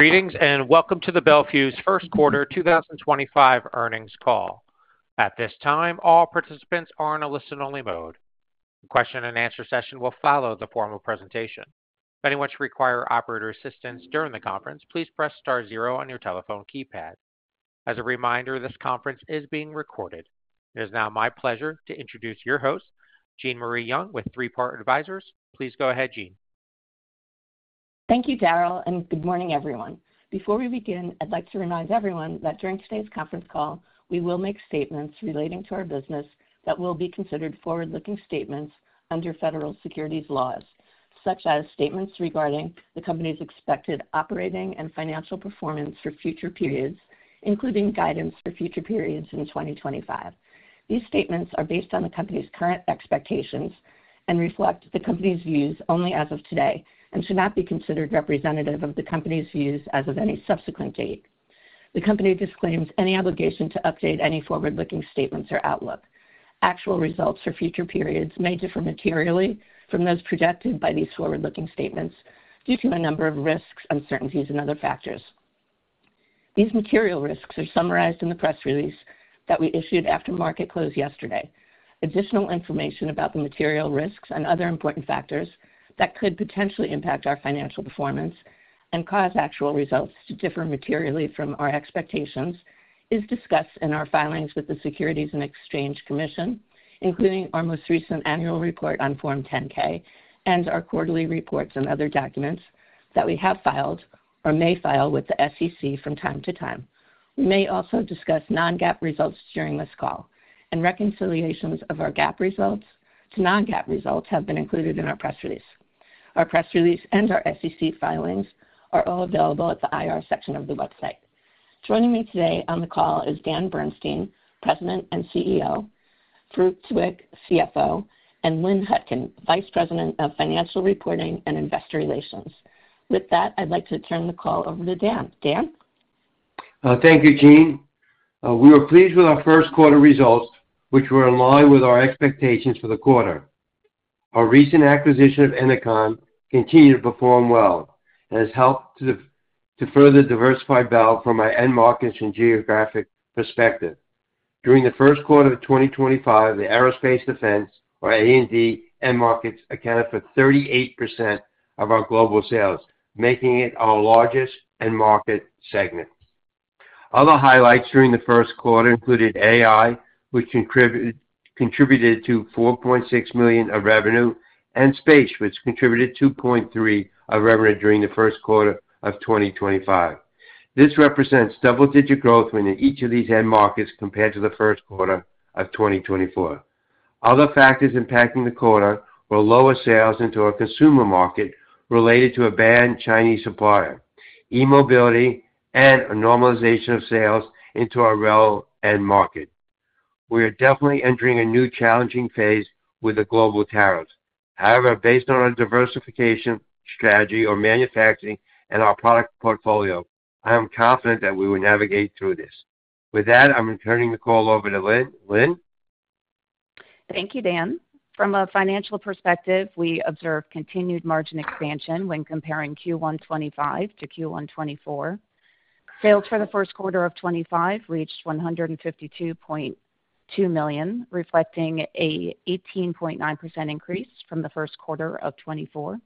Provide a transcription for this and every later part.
Greetings and welcome to the Bel Fuse First Quarter 2025 Earnings Call. At this time, all participants are in a listen-only mode. The question-and-answer session will follow the formal presentation. If anyone should require operator assistance during the conference, please press star zero on your telephone keypad. As a reminder, this conference is being recorded. It is now my pleasure to introduce your host, Jean Marie Young, with Three Part Advisors. Please go ahead, Jean. Thank you, Daryl, and good morning, everyone. Before we begin, I'd like to remind everyone that during today's conference call, we will make statements relating to our business that will be considered forward-looking statements under federal securities laws, such as statements regarding the company's expected operating and financial performance for future periods, including guidance for future periods in 2025. These statements are based on the company's current expectations and reflect the company's views only as of today and should not be considered representative of the company's views as of any subsequent date. The company disclaims any obligation to update any forward-looking statements or outlook. Actual results for future periods may differ materially from those projected by these forward-looking statements due to a number of risks, uncertainties, and other factors. These material risks are summarized in the press release that we issued after market close yesterday. Additional information about the material risks and other important factors that could potentially impact our financial performance and cause actual results to differ materially from our expectations is discussed in our filings with the Securities and Exchange Commission, including our most recent annual report on Form 10-K and our quarterly reports and other documents that we have filed or may file with the SEC from time to time. We may also discuss non-GAAP results during this call, and reconciliations of our GAAP results to non-GAAP results have been included in our press release. Our press release and our SEC filings are all available at the IR section of the website. Joining me today on the call is Dan Bernstein, President and CEO, Farouq Tuweiq, CFO, and Lynn Hutkin, Vice President of Financial Reporting and Investor Relations. With that, I'd like to turn the call over to Dan. Dan? Thank you, Jean. We are pleased with our first quarter results, which were in line with our expectations for the quarter. Our recent acquisition of Enercon continued to perform well and has helped to further diversify Bel from our end markets and geographic perspective. During the first quarter of 2025, the aerospace defense, or A&D, end markets accounted for 38% of our global sales, making it our largest end market segment. Other highlights during the first quarter included AI, which contributed $4.6 million of revenue, and space, which contributed $2.3 million of revenue during the first quarter of 2025. This represents double-digit growth in each of these end markets compared to the first quarter of 2024. Other factors impacting the quarter were lower sales into our consumer market related to a banned Chinese supplier, e-mobility, and a normalization of sales into our rail end market. We are definitely entering a new challenging phase with the global tariffs. However, based on our diversification strategy for manufacturing and our product portfolio, I am confident that we will navigate through this. With that, I'm turning the call over to Lynn. Thank you, Dan. From a financial perspective, we observe continued margin expansion when comparing Q1 2025 to Q1 2024. Sales for the first quarter of 2025 reached $152.2 million, reflecting an 18.9% increase from the first quarter of 2024.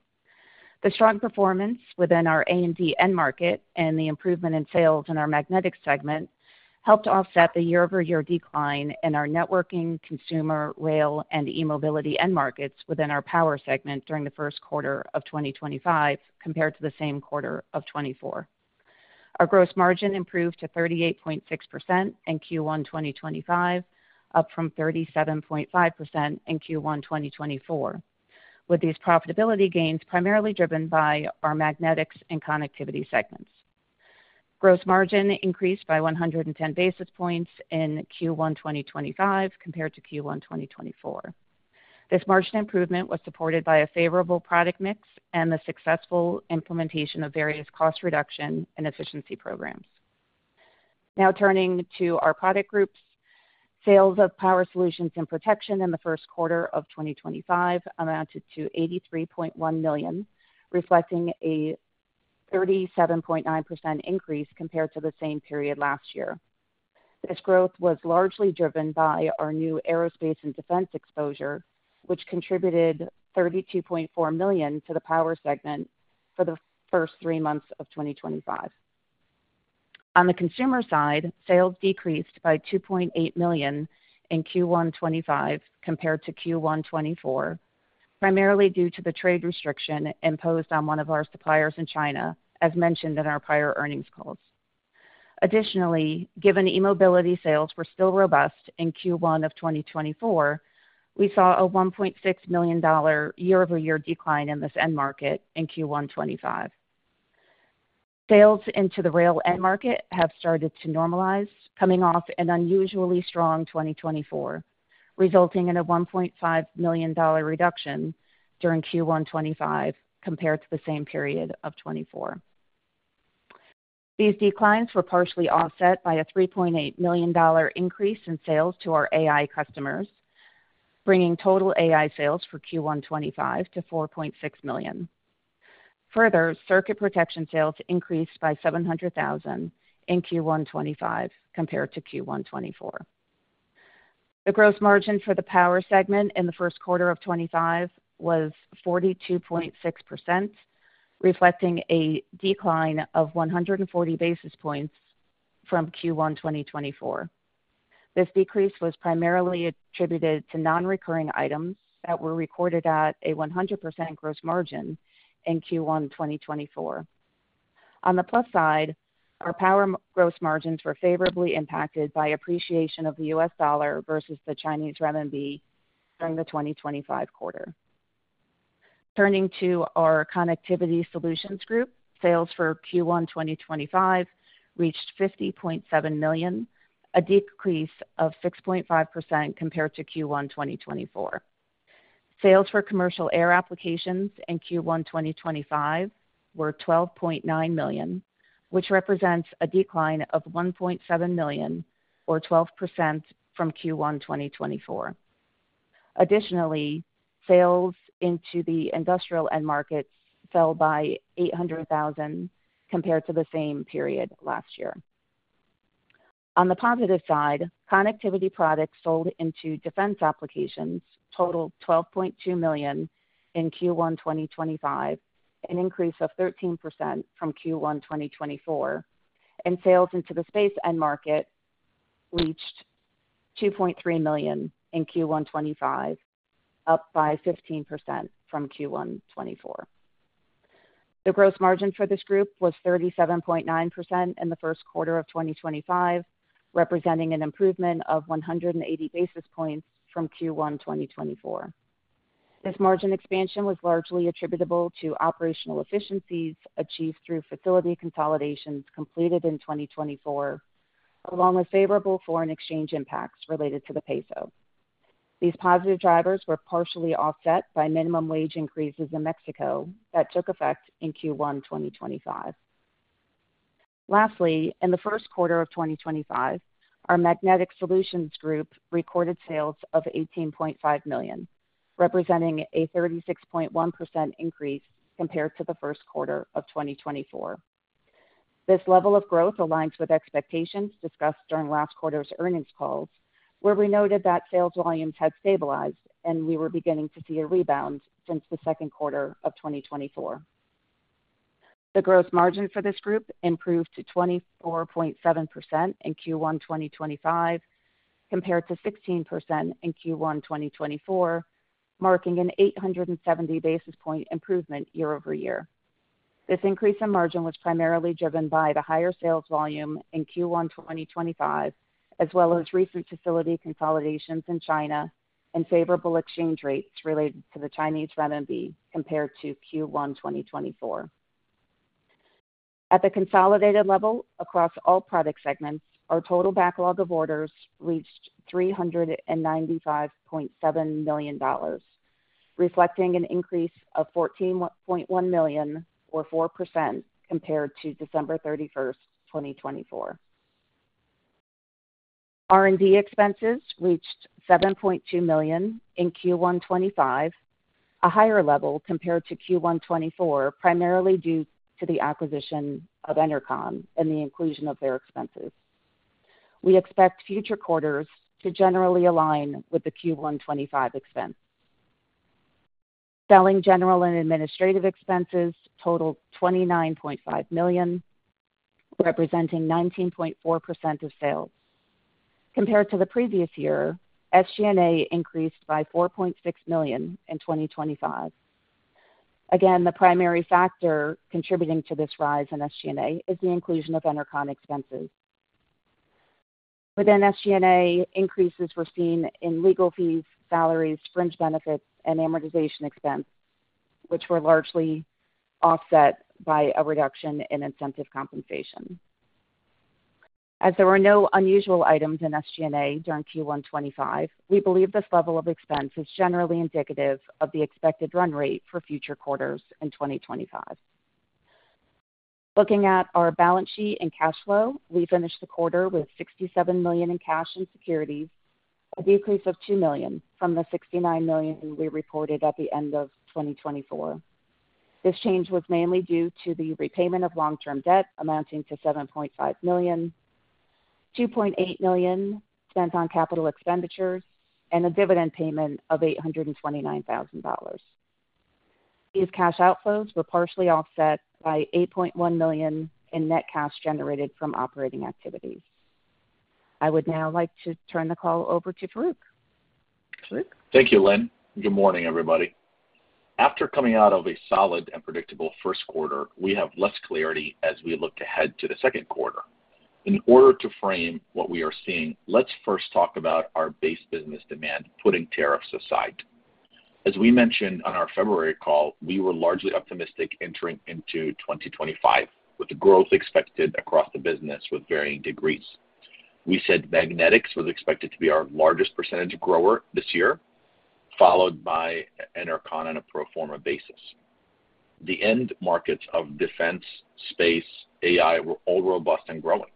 The strong performance within our A&D end market and the improvement in sales in our magnetic segment helped offset the year-over-year decline in our networking, consumer, rail, and e-mobility end markets within our power segment during the first quarter of 2025 compared to the same quarter of 2024. Our gross margin improved to 38.6% in Q1 2025, up from 37.5% in Q1 2024, with these profitability gains primarily driven by our magnetics and connectivity segments. Gross margin increased by 110 basis points in Q1 2025 compared to Q1 2024. This margin improvement was supported by a favorable product mix and the successful implementation of various cost reduction and efficiency programs. Now turning to our product groups, sales of Power Solutions and Protection in the first quarter of 2025 amounted to $83.1 million, reflecting a 37.9% increase compared to the same period last year. This growth was largely driven by our new aerospace and defense exposure, which contributed $32.4 million to the power segment for the first three months of 2025. On the consumer side, sales decreased by $2.8 million in Q1 2025 compared to Q1 2024, primarily due to the trade restriction imposed on one of our suppliers in China, as mentioned in our prior earnings calls. Additionally, given e-mobility sales were still robust in Q1 of 2024, we saw a $1.6 million year-over-year decline in this end market in Q1 2025. Sales into the rail end market have started to normalize, coming off an unusually strong 2024, resulting in a $1.5 million reduction during Q1 2025 compared to the same period of 2024. These declines were partially offset by a $3.8 million increase in sales to our AI customers, bringing total AI sales for Q1 2025 to $4.6 million. Further, Circuit Protection sales increased by $700,000 in Q1 2025 compared to Q1 2024. The gross margin for the Power segment in the first quarter of 2025 was 42.6%, reflecting a decline of 140 basis points from Q1 2024. This decrease was primarily attributed to non-recurring items that were recorded at a 100% gross margin in Q1 2024. On the plus side, our Power gross margins were favorably impacted by appreciation of the US dollar versus the Chinese renminbi during the 2025 quarter. Turning to our Connectivity Solutions group, sales for Q1 2025 reached $50.7 million, a decrease of 6.5% compared to Q1 2024. Sales for commercial air applications in Q1 2025 were $12.9 million, which represents a decline of $1.7 million, or 12% from Q1 2024. Additionally, sales into the industrial end markets fell by $800,000 compared to the same period last year. On the positive side, connectivity products sold into defense applications totaled $12.2 million in Q1 2025, an increase of 13% from Q1 2024, and sales into the space end market reached $2.3 million in Q1 2025, up by 15% from Q1 2024. The gross margin for this group was 37.9% in the first quarter of 2025, representing an improvement of 180 basis points from Q1 2024. This margin expansion was largely attributable to operational efficiencies achieved through facility consolidations completed in 2024, along with favorable foreign exchange impacts related to the peso. These positive drivers were partially offset by minimum wage increases in Mexico that took effect in Q1 2025. Lastly, in the first quarter of 2025, our Magnetic Solutions group recorded sales of $18.5 million, representing a 36.1% increase compared to the first quarter of 2024. This level of growth aligns with expectations discussed during last quarter's earnings calls, where we noted that sales volumes had stabilized and we were beginning to see a rebound since the second quarter of 2024. The gross margin for this group improved to 24.7% in Q1 2025 compared to 16% in Q1 2024, marking an 870 basis point improvement year-over-year. This increase in margin was primarily driven by the higher sales volume in Q1 2025, as well as recent facility consolidations in China and favorable exchange rates related to the Chinese renminbi compared to Q1 2024. At the consolidated level across all product segments, our total backlog of orders reached $395.7 million, reflecting an increase of $14.1 million, or 4%, compared to December 31, 2024. R&D expenses reached $7.2 million in Q1 2025, a higher level compared to Q1 2024, primarily due to the acquisition of Enercon and the inclusion of their expenses. We expect future quarters to generally align with the Q1 2025 expense. Selling, general and administrative expenses totaled $29.5 million, representing 19.4% of sales. Compared to the previous year, SG&A increased by $4.6 million in 2025. Again, the primary factor contributing to this rise in SG&A is the inclusion of Enercon expenses. Within SG&A, increases were seen in legal fees, salaries, fringe benefits, and amortization expense, which were largely offset by a reduction in incentive compensation. As there were no unusual items in SG&A during Q1 2025, we believe this level of expense is generally indicative of the expected run rate for future quarters in 2025. Looking at our balance sheet and cash flow, we finished the quarter with $67 million in cash and securities, a decrease of $2 million from the $69 million we reported at the end of 2024. This change was mainly due to the repayment of long-term debt amounting to $7.5 million, $2.8 million spent on capital expenditures, and a dividend payment of $829,000. These cash outflows were partially offset by $8.1 million in net cash generated from operating activities. I would now like to turn the call over to Farouq. Thank you, Lynn. Good morning, everybody. After coming out of a solid and predictable first quarter, we have less clarity as we look ahead to the second quarter. In order to frame what we are seeing, let's first talk about our base business demand, putting tariffs aside. As we mentioned on our February call, we were largely optimistic entering into 2025, with growth expected across the business with varying degrees. We said magnetics was expected to be our largest percentage of grower this year, followed by Enercon on a pro forma basis. The end markets of defense, space, AI were all robust and growing.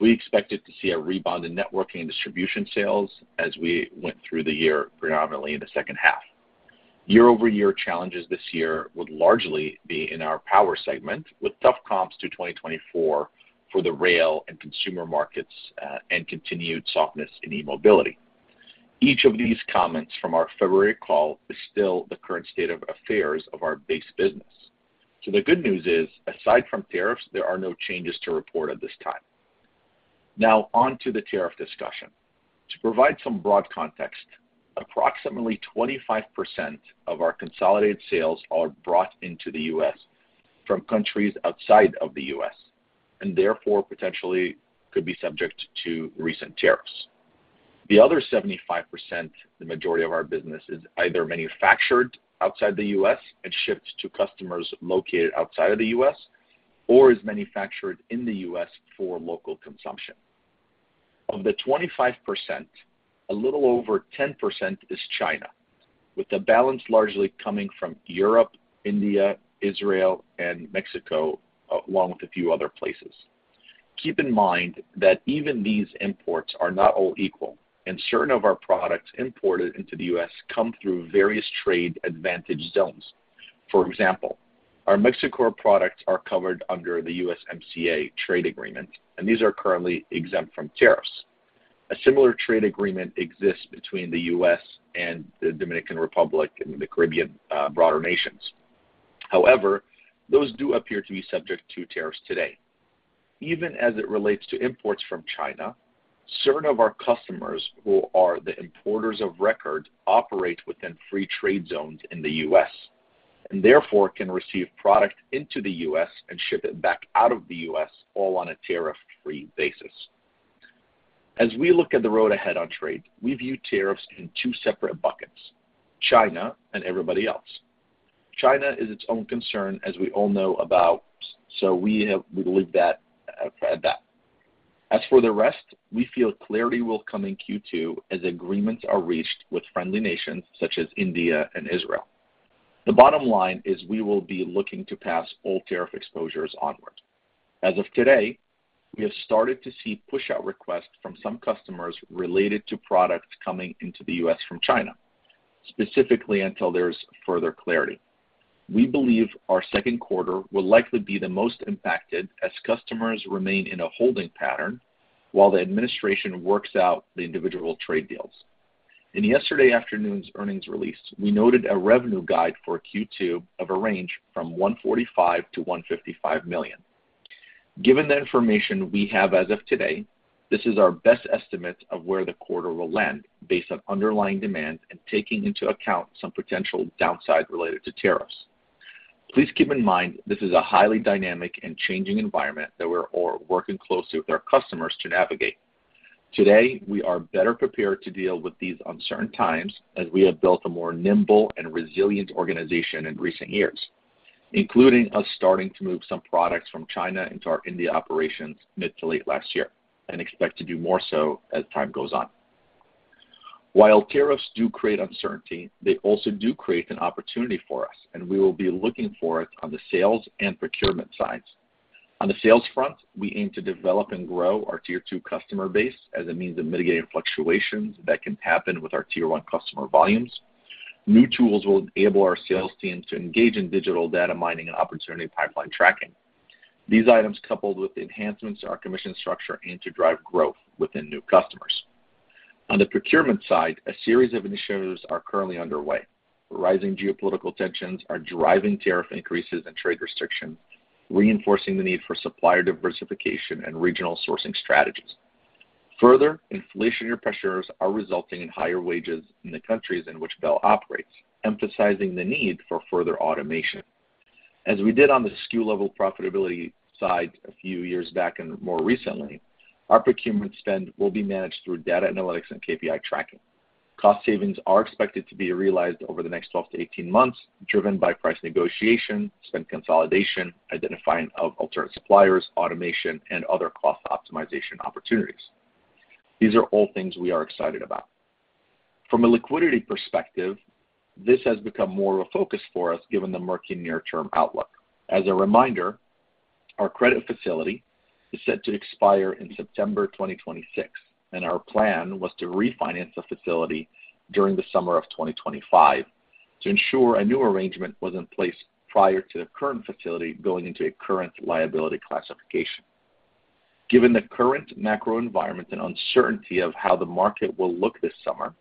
We expected to see a rebound in networking and distribution sales as we went through the year, predominantly in the second half. Year-over-year challenges this year would largely be in our power segment, with tough comps to 2024 for the rail and consumer markets and continued softness in e-mobility. Each of these comments from our February call is still the current state of affairs of our base business. The good news is, aside from tariffs, there are no changes to report at this time. Now, on to the tariff discussion. To provide some broad context, approximately 25% of our consolidated sales are brought into the U.S. from countries outside of the U.S. and therefore potentially could be subject to recent tariffs. The other 75%, the majority of our business, is either manufactured outside the U.S. and shipped to customers located outside of the U.S., or is manufactured in the U.S. for local consumption. Of the 25%, a little over 10% is China, with the balance largely coming from Europe, India, Israel, and Mexico, along with a few other places. Keep in mind that even these imports are not all equal, and certain of our products imported into the U.S. come through various trade advantage zones. For example, our Mexico products are covered under the USMCA trade agreement, and these are currently exempt from tariffs. A similar trade agreement exists between the U.S. and the Dominican Republic and the Caribbean broader nations. However, those do appear to be subject to tariffs today. Even as it relates to imports from China, certain of our customers who are the importers of record operate within free trade zones in the U.S. and therefore can receive product into the U.S. and ship it back out of the U.S., all on a tariff-free basis. As we look at the road ahead on trade, we view tariffs in two separate buckets: China and everybody else. China is its own concern, as we all know about, so we believe that. As for the rest, we feel clarity will come in Q2 as agreements are reached with friendly nations such as India and Israel. The bottom line is we will be looking to pass all tariff exposures onward. As of today, we have started to see push-out requests from some customers related to products coming into the U.S. from China, specifically until there is further clarity. We believe our second quarter will likely be the most impacted as customers remain in a holding pattern while the administration works out the individual trade deals. In yesterday afternoon's earnings release, we noted a revenue guide for Q2 of a range from $145 million-$155 million. Given the information we have as of today, this is our best estimate of where the quarter will land based on underlying demand and taking into account some potential downside related to tariffs. Please keep in mind this is a highly dynamic and changing environment that we're all working closely with our customers to navigate. Today, we are better prepared to deal with these uncertain times as we have built a more nimble and resilient organization in recent years, including us starting to move some products from China into our India operations mid to late last year and expect to do more so as time goes on. While tariffs do create uncertainty, they also do create an opportunity for us, and we will be looking for it on the sales and procurement sides. On the sales front, we aim to develop and grow our tier two customer base as a means of mitigating fluctuations that can happen with our tier one customer volumes. New tools will enable our sales team to engage in digital data mining and opportunity pipeline tracking. These items, coupled with enhancements to our commission structure, aim to drive growth within new customers. On the procurement side, a series of initiatives are currently underway. Rising geopolitical tensions are driving tariff increases and trade restrictions, reinforcing the need for supplier diversification and regional sourcing strategies. Further, inflationary pressures are resulting in higher wages in the countries in which Bel operates, emphasizing the need for further automation. As we did on the SKU level profitability side a few years back and more recently, our procurement spend will be managed through data analytics and KPI tracking. Cost savings are expected to be realized over the next 12-18 months, driven by price negotiation, spend consolidation, identifying of alternate suppliers, automation, and other cost optimization opportunities. These are all things we are excited about. From a liquidity perspective, this has become more of a focus for us given the murky near-term outlook. As a reminder, our credit facility is set to expire in September 2026, and our plan was to refinance the facility during the summer of 2025 to ensure a new arrangement was in place prior to the current facility going into a current liability classification. Given the current macro environment and uncertainty of how the market will look this summer,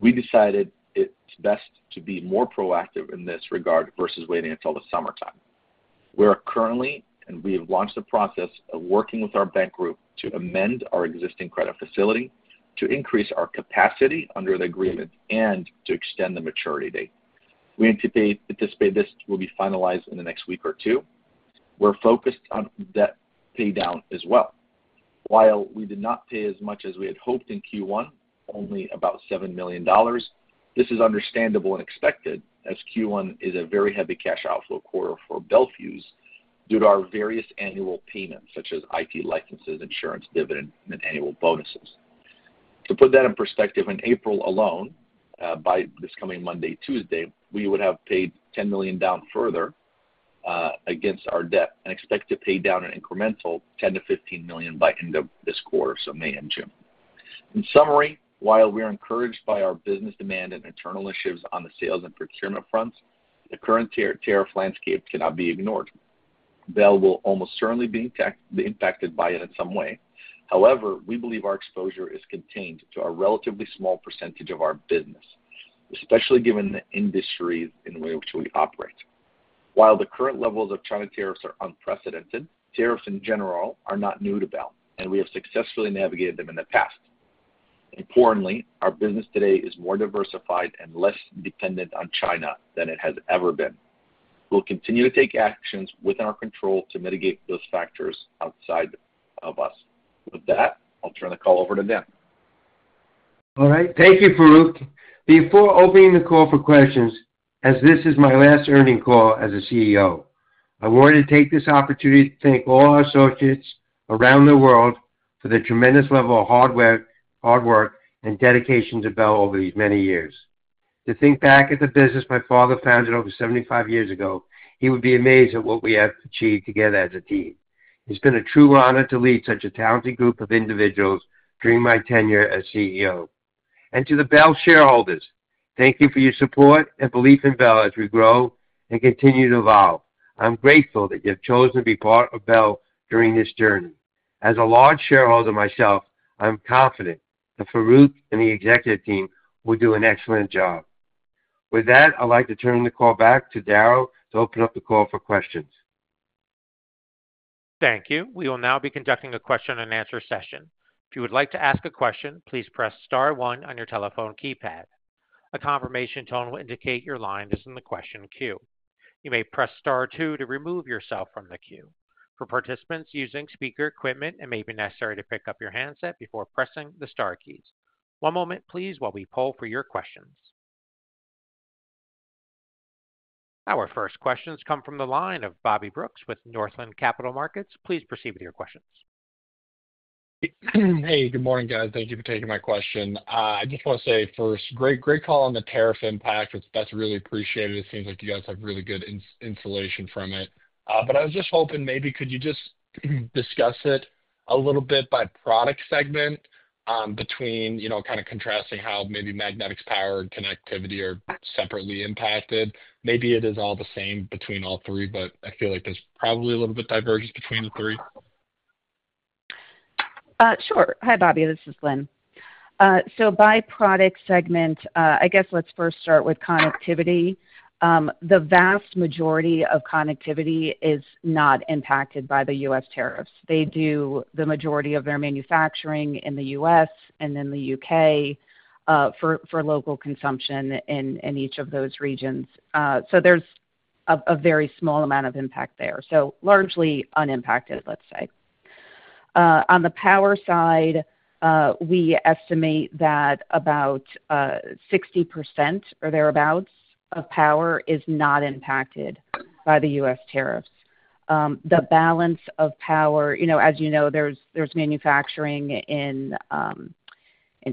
we decided it's best to be more proactive in this regard versus waiting until the summertime. We're currently, and we have launched the process of working with our bank group to amend our existing credit facility to increase our capacity under the agreement and to extend the maturity date. We anticipate this will be finalized in the next week or two. We're focused on debt paydown as well. While we did not pay as much as we had hoped in Q1, only about $7 million, this is understandable and expected as Q1 is a very heavy cash outflow quarter for Bel Fuse due to our various annual payments, such as IT licenses, insurance, dividends, and annual bonuses. To put that in perspective, in April alone, by this coming Monday, Tuesday, we would have paid $10 million down further against our debt and expect to pay down an incremental $10-15 million by end of this quarter, so May and June. In summary, while we are encouraged by our business demand and internal issues on the sales and procurement fronts, the current tariff landscape cannot be ignored. Bel will almost certainly be impacted by it in some way. However, we believe our exposure is contained to a relatively small percentage of our business, especially given the industries in which we operate. While the current levels of China tariffs are unprecedented, tariffs in general are not new to Bel, and we have successfully navigated them in the past. Importantly, our business today is more diversified and less dependent on China than it has ever been. We will continue to take actions within our control to mitigate those factors outside of us. With that, I'll turn the call over to Dan. All right. Thank you, Farouq. Before opening the call for questions, as this is my last earnings call as CEO, I wanted to take this opportunity to thank all our associates around the world for the tremendous level of hard work and dedication to Bel over these many years. To think back at the business my father founded over 75 years ago, he would be amazed at what we have achieved together as a team. It's been a true honor to lead such a talented group of individuals during my tenure as CEO. To the Bel shareholders, thank you for your support and belief in Bel as we grow and continue to evolve. I'm grateful that you have chosen to be part of Bel during this journey. As a large shareholder myself, I'm confident that Farouq and the executive team will do an excellent job. With that, I'd like to turn the call back to Daryl to open up the call for questions. Thank you. We will now be conducting a question and answer session. If you would like to ask a question, please press star one on your telephone keypad. A confirmation tone will indicate your line is in the question queue. You may press star two to remove yourself from the queue. For participants using speaker equipment, it may be necessary to pick up your handset before pressing the star keys. One moment, please, while we poll for your questions. Our first questions come from the line of Bobby Brooks with Northland Capital Markets. Please proceed with your questions. Hey, good morning, guys. Thank you for taking my question. I just want to say first, great call on the tariff impact. That's really appreciated. It seems like you guys have really good insulation from it. I was just hoping maybe could you just discuss it a little bit by product segment, kind of contrasting how maybe magnetics, power, and connectivity are separately impacted. Maybe it is all the same between all three, but I feel like there's probably a little bit of divergence between the three. Sure. Hi, Bobby. This is Lynn. By product segment, I guess let's first start with connectivity. The vast majority of connectivity is not impacted by the U.S. tariffs. They do the majority of their manufacturing in the U.S. and in the U.K. for local consumption in each of those regions. There is a very small amount of impact there. Largely unimpacted, let's say. On the power side, we estimate that about 60% or thereabouts of power is not impacted by the U.S. tariffs. The balance of power, as you know, there is manufacturing in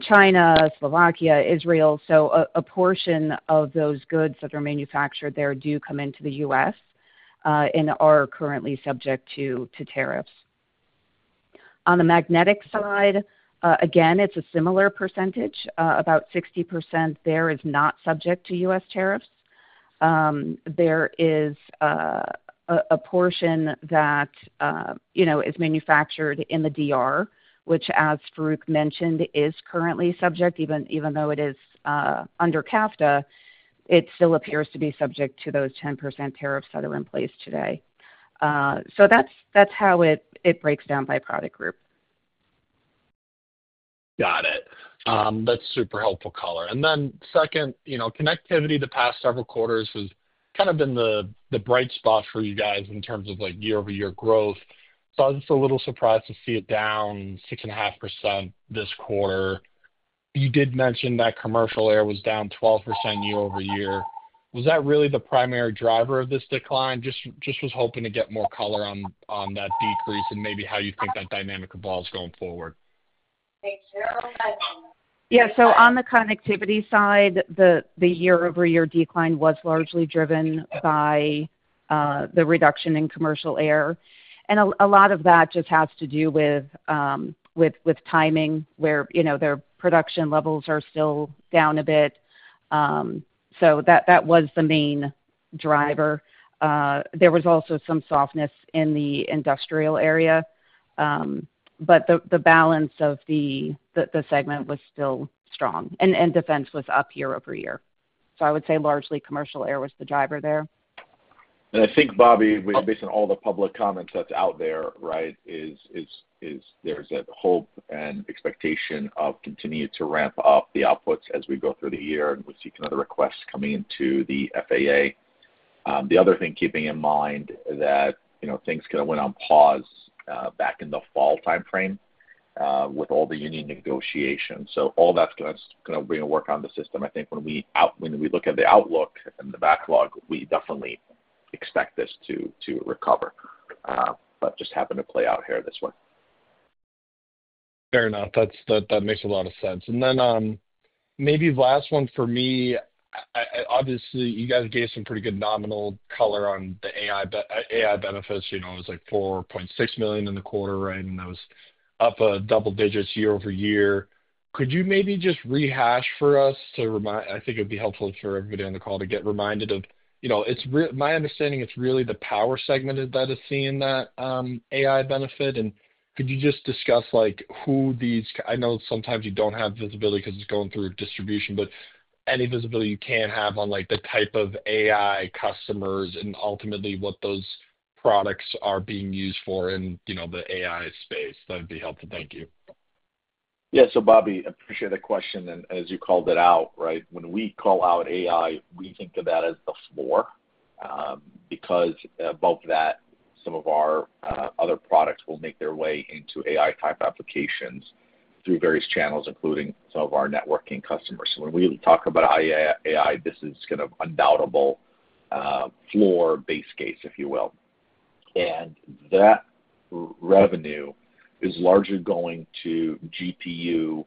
China, Slovakia, Israel. A portion of those goods that are manufactured there do come into the U.S. and are currently subject to tariffs. On the magnetic side, again, it's a similar percentage. About 60% there is not subject to U.S. tariffs. There is a portion that is manufactured in the DR, which, as Farouq mentioned, is currently subject. Even though it is under CAFTA, it still appears to be subject to those 10% tariffs that are in place today. That is how it breaks down by product group. Got it. That's super helpful, Color. Then, connectivity the past several quarters has kind of been the bright spot for you guys in terms of year-over-year growth. I was a little surprised to see it down 6.5% this quarter. You did mention that commercial air was down 12% year-over-year. Was that really the primary driver of this decline? I was just hoping to get more color on that decrease and maybe how you think that dynamic evolves going forward. Thank you. Yeah. On the connectivity side, the year-over-year decline was largely driven by the reduction in commercial air. A lot of that just has to do with timing where their production levels are still down a bit. That was the main driver. There was also some softness in the industrial area, but the balance of the segment was still strong. Defense was up year-over-year. I would say largely commercial air was the driver there. I think, Bobby, based on all the public comments that are out there, right, there is a hope and expectation of continuing to ramp up the outputs as we go through the year and we see kind of the requests coming into the FAA. The other thing, keeping in mind that things kind of went on pause back in the fall timeframe with all the union negotiations. All that is going to bring work on the system. I think when we look at the outlook and the backlog, we definitely expect this to recover, but it just happened to play out here this way. Fair enough. That makes a lot of sense. Maybe last one for me, obviously, you guys gave some pretty good nominal color on the AI benefits. It was like $4.6 million in the quarter, right? And that was up a double digit year-over-year. Could you maybe just rehash for us to remind? I think it would be helpful for everybody on the call to get reminded of, my understanding, it's really the power segment that is seeing that AI benefit. Could you just discuss who these—I know sometimes you don't have visibility because it's going through distribution, but any visibility you can have on the type of AI customers and ultimately what those products are being used for in the AI space? That'd be helpful. Thank you. Yeah. Bobby, I appreciate the question. As you called it out, right, when we call out AI, we think of that as the floor because above that, some of our other products will make their way into AI-type applications through various channels, including some of our networking customers. When we talk about AI, this is kind of undoubtable floor base case, if you will. That revenue is largely going to GPU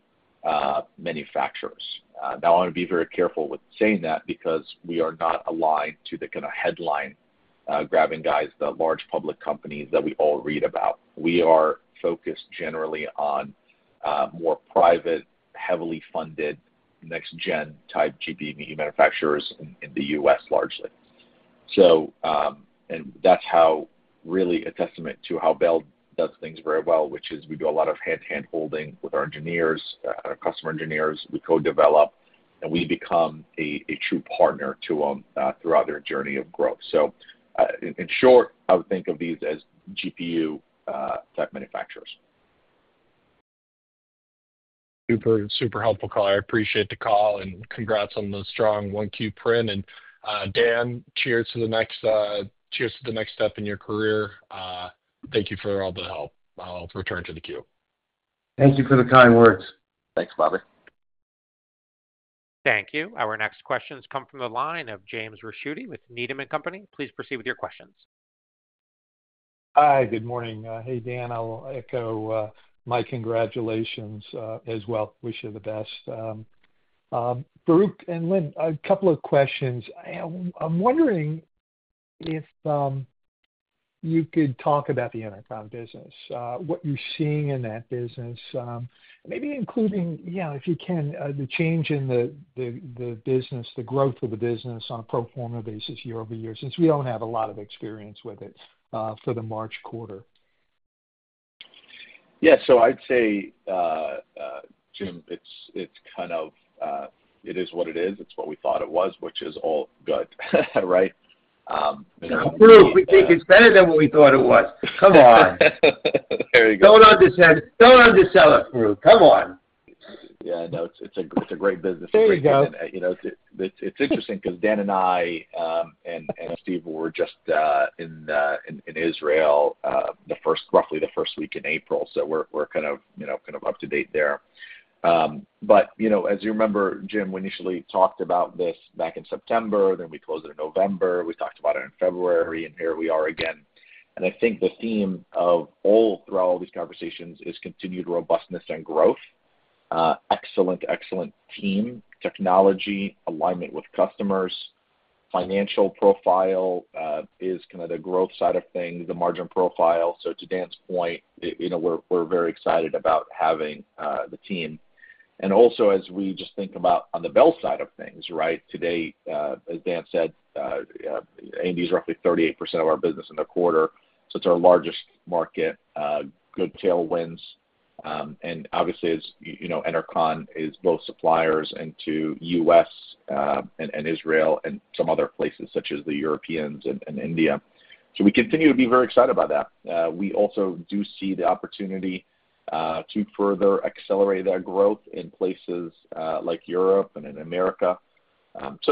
manufacturers. I want to be very careful with saying that because we are not aligned to the kind of headline-grabbing guys, the large public companies that we all read about. We are focused generally on more private, heavily funded next-gen type GPU manufacturers in the U.S. largely. That is really a testament to how Bel does things very well, which is we do a lot of hand-to-hand holding with our engineers, our customer engineers. We co-develop, and we become a true partner to them throughout their journey of growth. In short, I would think of these as GPU-type manufacturers. Super, super helpful, Color. I appreciate the call and congrats on the strong one-Q print. Dan, cheers to the next step in your career. Thank you for all the help. I'll return to the queue. Thank you for the kind words. Thanks, Bobby. Thank you. Our next questions come from the line of James Ricchiuti with Needham & Company. Please proceed with your questions. Hi, good morning. Hey, Dan, I'll echo my congratulations as well. Wish you the best. Farouq and Lynn, a couple of questions. I'm wondering if you could talk about the Enercon business, what you're seeing in that business, maybe including, if you can, the change in the business, the growth of the business on a pro forma basis year-over-year since we don't have a lot of experience with it for the March quarter. Yeah. I'd say, Jim, it is what it is. It's what we thought it was, which is all good, right? Farouq, we think it's better than what we thought it was. Come on. There you go. Don't undersell it, Farouq. Come on. Yeah. No, it's a great business. There you go. It's interesting because Dan and I and Steve were just in Israel roughly the first week in April. We're kind of up to date there. As you remember, Jim, we initially talked about this back in September. We closed it in November. We talked about it in February. Here we are again. I think the theme throughout all these conversations is continued robustness and growth, excellent, excellent team, technology, alignment with customers, financial profile is kind of the growth side of things, the margin profile. To Dan's point, we're very excited about having the team. Also, as we just think about on the Bel side of things, right, today, as Dan said, A&D is roughly 38% of our business in the quarter. It's our largest market. Good tailwinds. Obviously, as Enercon is both suppliers into U.S. Israel and some other places such as the Europeans and India. We continue to be very excited about that. We also do see the opportunity to further accelerate that growth in places like Europe and in America.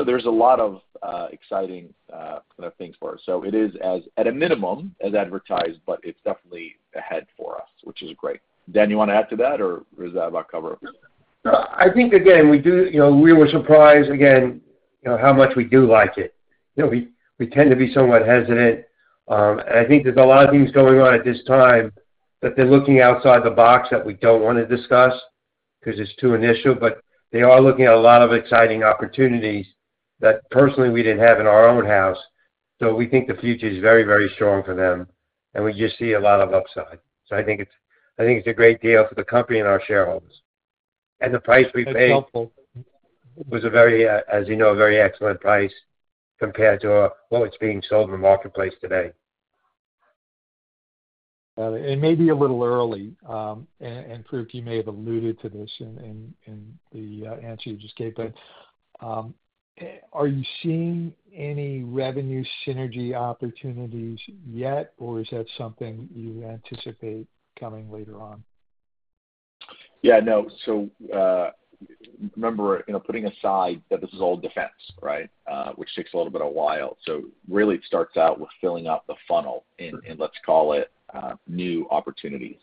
There are a lot of exciting kind of things for us. It is, at a minimum, as advertised, but it is definitely ahead for us, which is great. Dan, you want to add to that, or is that about covered? I think, again, we were surprised, again, how much we do like it. We tend to be somewhat hesitant. I think there's a lot of things going on at this time that they're looking outside the box that we don't want to discuss because it's too initial. They are looking at a lot of exciting opportunities that, personally, we didn't have in our own house. We think the future is very, very strong for them. We just see a lot of upside. I think it's a great deal for the company and our shareholders. The price we paid was, as you know, a very excellent price compared to what it's being sold in the marketplace today. Got it. Maybe a little early. Farouq, you may have alluded to this in the answer you just gave, but are you seeing any revenue synergy opportunities yet, or is that something you anticipate coming later on? Yeah. No. Remember, putting aside that this is all defense, right, which takes a little bit of a while. It starts out with filling out the funnel in, let's call it, new opportunities.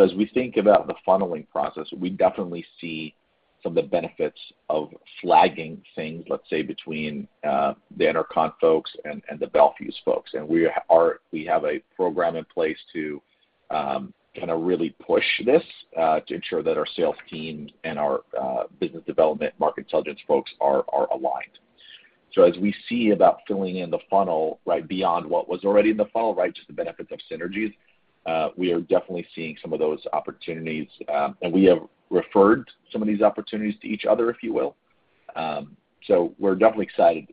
As we think about the funneling process, we definitely see some of the benefits of flagging things, let's say, between the Enercon folks and the Bel Fuse folks. We have a program in place to kind of really push this to ensure that our sales team and our business development market intelligence folks are aligned. As we see about filling in the funnel, right, beyond what was already in the funnel, just the benefits of synergies, we are definitely seeing some of those opportunities. We have referred some of these opportunities to each other, if you will. We are definitely excited.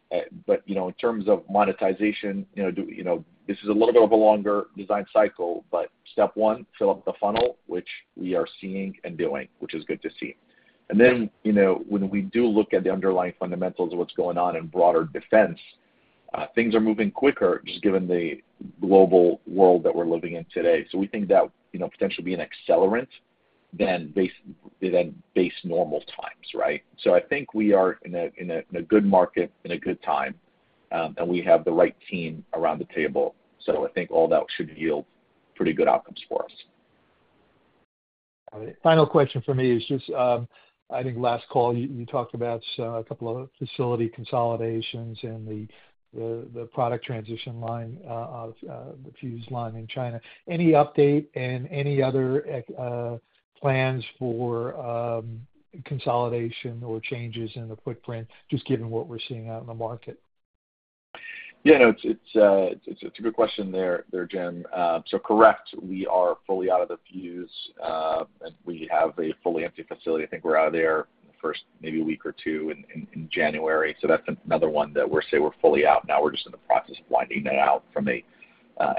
In terms of monetization, this is a little bit of a longer design cycle, but step one, fill up the funnel, which we are seeing and doing, which is good to see. When we do look at the underlying fundamentals of what is going on in broader defense, things are moving quicker just given the global world that we are living in today. We think that potentially being accelerant than base normal times, right? I think we are in a good market, in a good time, and we have the right team around the table. I think all that should yield pretty good outcomes for us. Got it. Final question for me is just, I think last call, you talked about a couple of facility consolidations and the product transition line, the Fuse line in China. Any update and any other plans for consolidation or changes in the footprint, just given what we're seeing out in the market? Yeah. No, it's a good question there, Jim. Correct, we are fully out of the Fuse. We have a fully empty facility. I think we're out of there in the first maybe week or two in January. That's another one that we'll say we're fully out now. We're just in the process of winding that out from an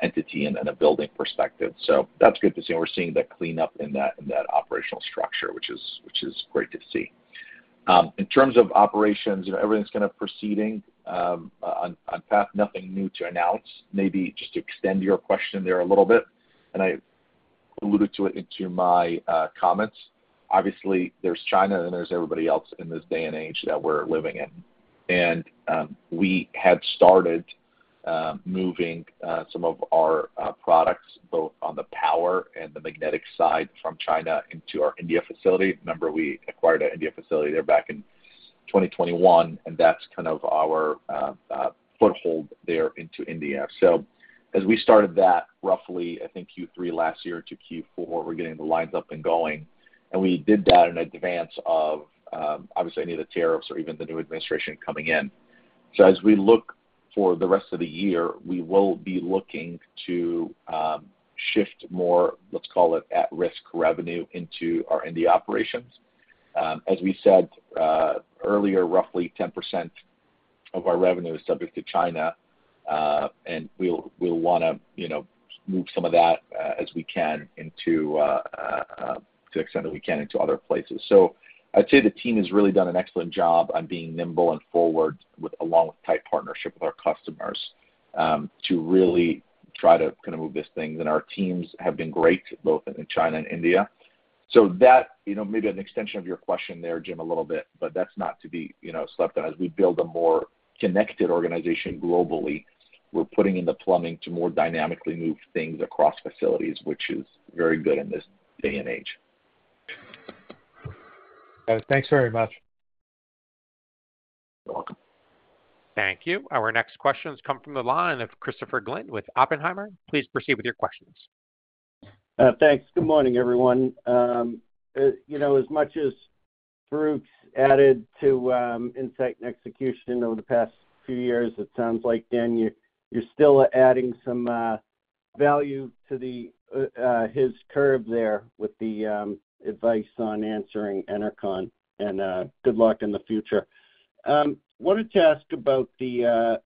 entity and a building perspective. That's good to see. We're seeing that cleanup in that operational structure, which is great to see. In terms of operations, everything's kind of proceeding on path. Nothing new to announce. Maybe just to extend your question there a little bit. I alluded to it in my comments. Obviously, there's China and there's everybody else in this day and age that we're living in. We had started moving some of our products, both on the power and the magnetic side, from China into our India facility. Remember, we acquired an India facility there back in 2021, and that is kind of our foothold there into India. As we started that, roughly, I think Q3 last year to Q4, we are getting the lines up and going. We did that in advance of, obviously, any of the tariffs or even the new administration coming in. As we look for the rest of the year, we will be looking to shift more, let's call it, at-risk revenue into our India operations. As we said earlier, roughly 10% of our revenue is subject to China. We will want to move some of that as we can into the extent that we can into other places. I'd say the team has really done an excellent job on being nimble and forward along with tight partnership with our customers to really try to kind of move these things. Our teams have been great, both in China and India. That may be an extension of your question there, Jim, a little bit, but that's not to be slept on. As we build a more connected organization globally, we're putting in the plumbing to more dynamically move things across facilities, which is very good in this day and age. Thanks very much. You're welcome. Thank you. Our next questions come from the line of Christopher Glynn with Oppenheimer. Please proceed with your questions. Thanks. Good morning, everyone. As much as Farouq's added to insight and execution over the past few years, it sounds like, Dan, you're still adding some value to his curve there with the advice on answering intercom. And good luck in the future. Wanted to ask about the $8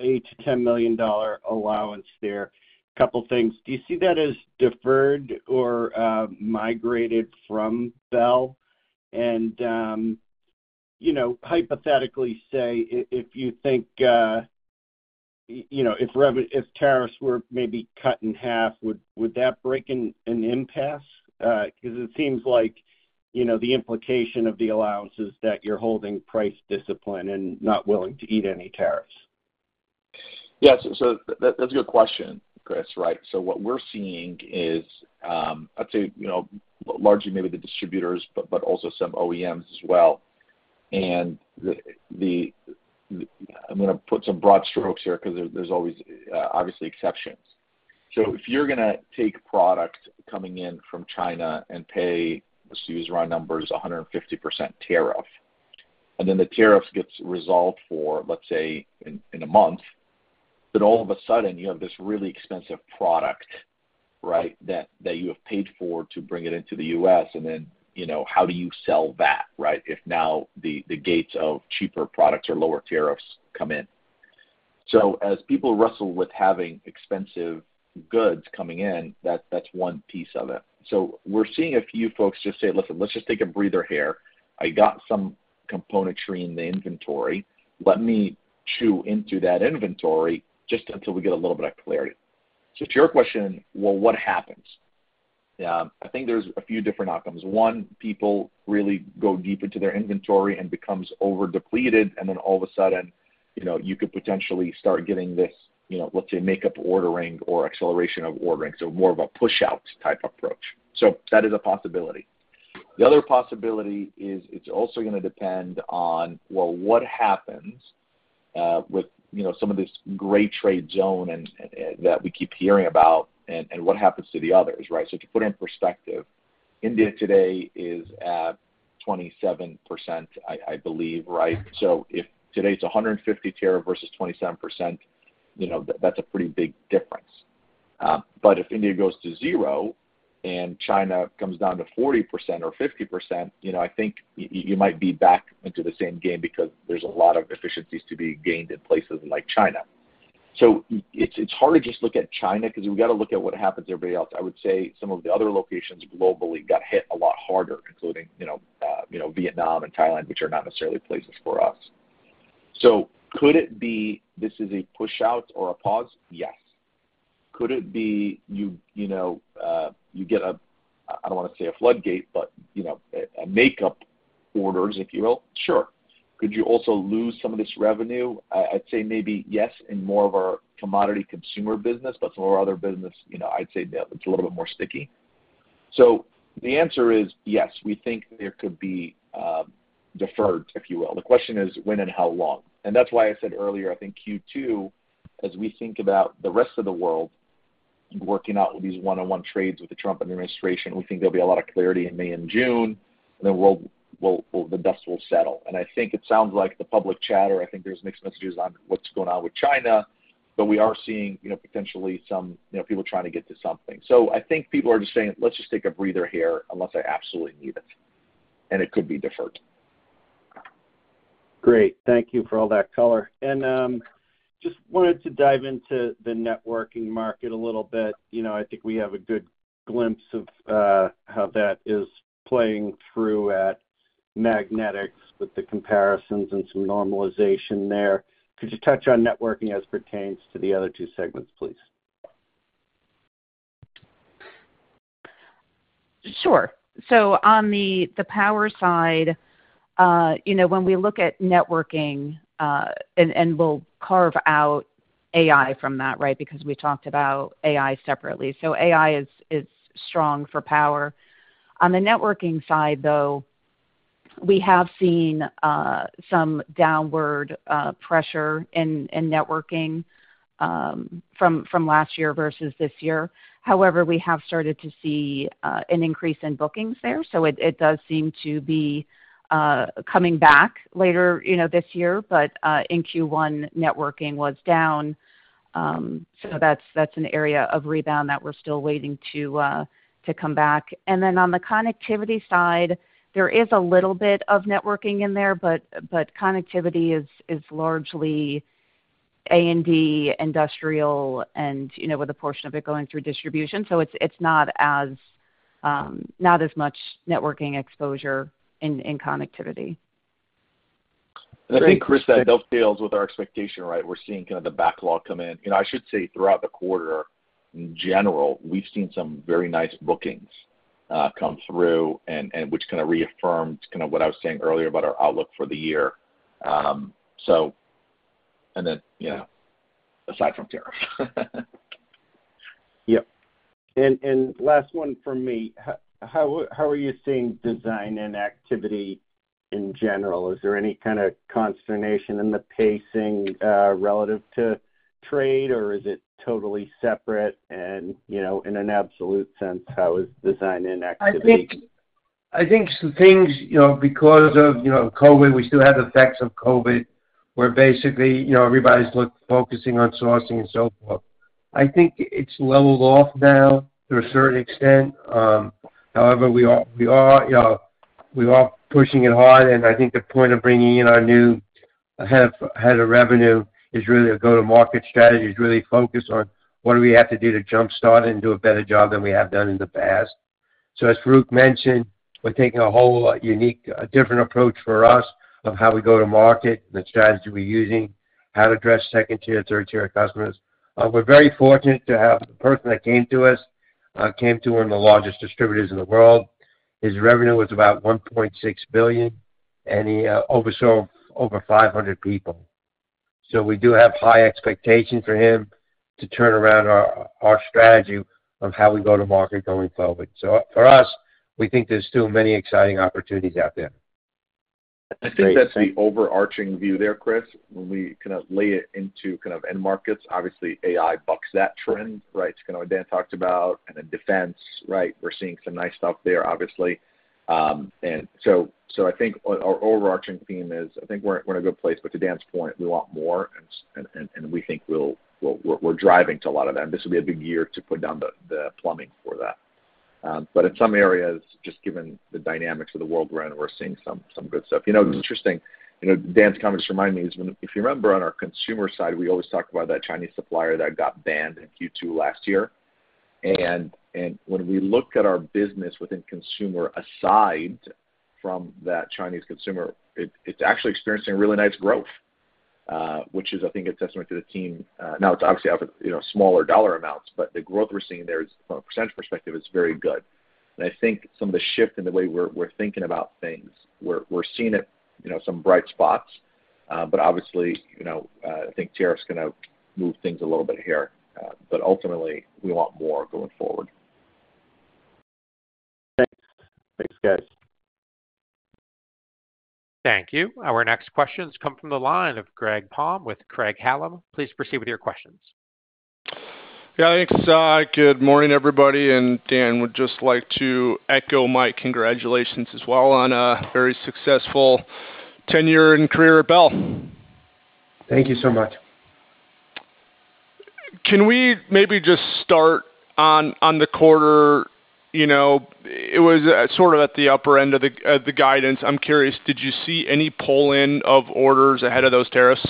million-$10 million allowance there. A couple of things. Do you see that as deferred or migrated from Bel? Hypothetically, say, if you think if tariffs were maybe cut in half, would that break an impasse? Because it seems like the implication of the allowance is that you're holding price discipline and not willing to eat any tariffs. Yeah. That's a good question, Chris, right? What we're seeing is, I'd say, largely maybe the distributors, but also some OEMs as well. I'm going to put some broad strokes here because there's always, obviously, exceptions. If you're going to take product coming in from China and pay, let's use our numbers, 150% tariff, and then the tariff gets resolved for, let's say, in a month, all of a sudden, you have this really expensive product, right, that you have paid for to bring it into the U.S. How do you sell that, right, if now the gates of cheaper products or lower tariffs come in? As people wrestle with having expensive goods coming in, that's one piece of it. We're seeing a few folks just say, "Listen, let's just take a breather here. I got some componentry in the inventory. Let me chew into that inventory just until we get a little bit of clarity. To your question, what happens? I think there are a few different outcomes. One, people really go deep into their inventory and become overdepleted. Then all of a sudden, you could potentially start getting this, let's say, makeup ordering or acceleration of ordering. More of a push-out type approach. That is a possibility. The other possibility is it is also going to depend on what happens with some of this gray trade zone that we keep hearing about and what happens to the others, right? To put it in perspective, India today is at 27%, I believe, right? If today it is 150 tariffs versus 27%, that is a pretty big difference. If India goes to zero and China comes down to 40% or 50%, I think you might be back into the same game because there is a lot of efficiencies to be gained in places like China. It is hard to just look at China because we have to look at what happens to everybody else. I would say some of the other locations globally got hit a lot harder, including Vietnam and Thailand, which are not necessarily places for us. Could it be this is a push-out or a pause? Yes. Could it be you get a, I do not want to say a floodgate, but a makeup orders, if you will? Sure. Could you also lose some of this revenue? I would say maybe yes in more of our commodity consumer business, but some of our other business, I would say it is a little bit more sticky. The answer is yes. We think there could be deferred, if you will. The question is when and how long. That is why I said earlier, I think Q2, as we think about the rest of the world working out with these one-on-one trades with the Trump administration, we think there will be a lot of clarity in May and June, and then the dust will settle. I think it sounds like the public chatter, I think there are mixed messages on what is going on with China, but we are seeing potentially some people trying to get to something. I think people are just saying, "Let's just take a breather here unless I absolutely need it." It could be deferred. Great. Thank you for all that color. I just wanted to dive into the networking market a little bit. I think we have a good glimpse of how that is playing through at magnetics with the comparisons and some normalization there. Could you touch on networking as it pertains to the other two segments, please? Sure. On the power side, when we look at networking, and we'll carve out AI from that, right, because we talked about AI separately. AI is strong for power. On the networking side, though, we have seen some downward pressure in networking from last year versus this year. However, we have started to see an increase in bookings there. It does seem to be coming back later this year, but in Q1, networking was down. That is an area of rebound that we're still waiting to come back. On the connectivity side, there is a little bit of networking in there, but connectivity is largely A&D, industrial, and with a portion of it going through distribution. It is not as much networking exposure in connectivity. I think, Chris, that dovetails with our expectation, right? We're seeing kind of the backlog come in. I should say throughout the quarter, in general, we've seen some very nice bookings come through, which kind of reaffirmed what I was saying earlier about our outlook for the year. Aside from tariffs. Yep. Last one for me. How are you seeing design and activity in general? Is there any kind of consternation in the pacing relative to trade, or is it totally separate? In an absolute sense, how is design and activity? I think some things, because of COVID, we still had the effects of COVID, where basically everybody's focusing on sourcing and so forth. I think it's leveled off now to a certain extent. However, we are pushing it hard. I think the point of bringing in our new head of revenue is really a go-to-market strategy, is really focused on what do we have to do to jump-start it and do a better job than we have done in the past. As Farouq mentioned, we're taking a whole unique, different approach for us of how we go to market and the strategy we're using, how to address second-tier and third-tier customers. We're very fortunate to have the person that came to us, came to one of the largest distributors in the world. His revenue was about $1.6 billion, and he oversaw over 500 people. We do have high expectations for him to turn around our strategy of how we go to market going forward. For us, we think there's still many exciting opportunities out there. I think that's the overarching view there, Chris, when we kind of lay it into kind of end markets. Obviously, AI bucks that trend, right? It's kind of what Dan talked about. Then defense, right? We're seeing some nice stuff there, obviously. I think our overarching theme is I think we're in a good place. To Dan's point, we want more, and we think we're driving to a lot of that. This will be a big year to put down the plumbing for that. In some areas, just given the dynamics of the world we're in, we're seeing some good stuff. It's interesting. Dan's comment just reminded me, if you remember on our consumer side, we always talk about that Chinese supplier that got banned in Q2 last year. When we look at our business within consumer aside from that Chinese consumer, it is actually experiencing really nice growth, which is, I think, a testament to the team. Now, it is obviously smaller dollar amounts, but the growth we are seeing there from a percentage perspective is very good. I think some of the shift in the way we are thinking about things, we are seeing some bright spots. Obviously, I think tariffs are going to move things a little bit here. Ultimately, we want more going forward. Thanks. Thanks, guys. Thank you. Our next questions come from the line of Greg Palm with Craig-Hallum Capital Group. Please proceed with your questions. Good morning, everybody. Dan, would just like to echo my congratulations as well on a very successful tenure and career at Bel. Thank you so much. Can we maybe just start on the quarter? It was sort of at the upper end of the guidance. I'm curious, did you see any pull-in of orders ahead of those tariffs?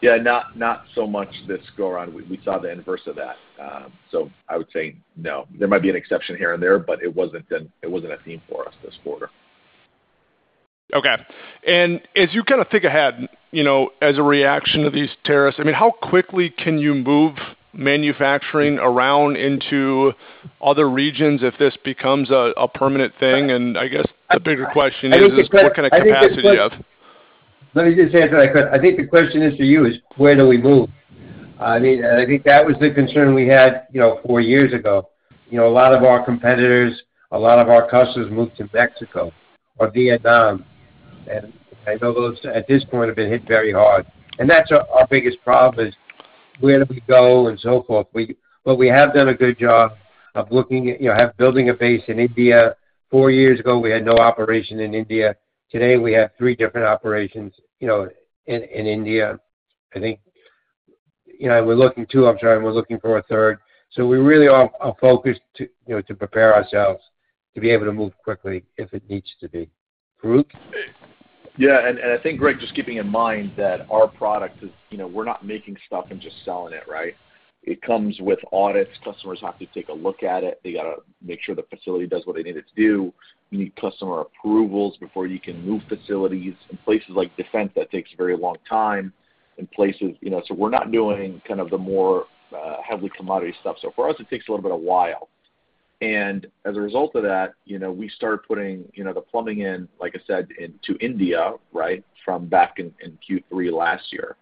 Yeah. Not so much this go around. We saw the inverse of that. I would say no. There might be an exception here and there, but it wasn't a theme for us this quarter. Okay. As you kind of think ahead, as a reaction to these tariffs, I mean, how quickly can you move manufacturing around into other regions if this becomes a permanent thing? I guess the bigger question is, what kind of capacity do you have? Let me just answer that question. I think the question is for you is, where do we move? I mean, I think that was the concern we had four years ago. A lot of our competitors, a lot of our customers moved to Mexico or Vietnam. I know those at this point have been hit very hard. That is our biggest problem, where do we go and so forth. We have done a good job of looking at building a base in India. Four years ago, we had no operation in India. Today, we have three different operations in India. I think we are looking to—I am sorry, we are looking for a third. We really are focused to prepare ourselves to be able to move quickly if it needs to be. Farouq? Yeah. I think, Greg, just keeping in mind that our product is we're not making stuff and just selling it, right? It comes with audits. Customers have to take a look at it. They got to make sure the facility does what they need it to do. You need customer approvals before you can move facilities. In places like defense, that takes a very long time. In places, we're not doing kind of the more heavily commodity stuff. For us, it takes a little bit of while. As a result of that, we started putting the plumbing in, like I said, into India, right, from back in Q3 last year.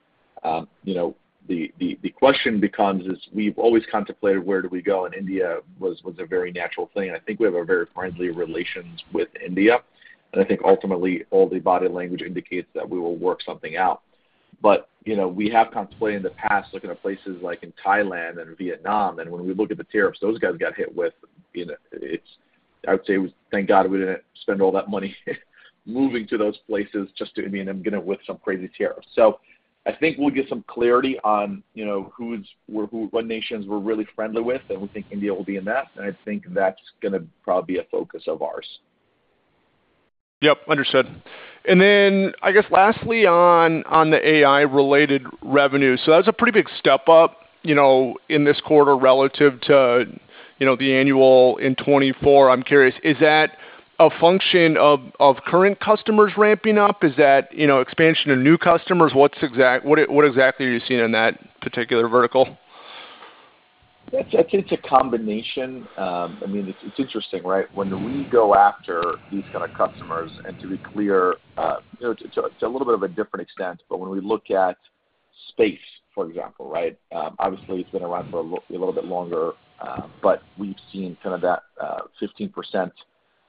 The question becomes is we've always contemplated where do we go? India was a very natural thing. I think we have very friendly relations with India. I think ultimately, all the body language indicates that we will work something out. We have contemplated in the past looking at places like Thailand and Vietnam. When we look at the tariffs, those guys got hit with—I would say, thank God we didn't spend all that money moving to those places just to, I mean, whip some crazy tariffs. I think we'll get some clarity on what nations we're really friendly with, and we think India will be in that. I think that's going to probably be a focus of ours. Yep. Understood. I guess lastly on the AI-related revenue. That was a pretty big step up in this quarter relative to the annual in 2024. I'm curious, is that a function of current customers ramping up? Is that expansion of new customers? What exactly are you seeing in that particular vertical? I'd say it's a combination. I mean, it's interesting, right? When we go after these kind of customers, and to be clear, to a little bit of a different extent, but when we look at space, for example, right? Obviously, it's been around for a little bit longer, but we've seen kind of that 15%